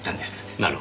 なるほど。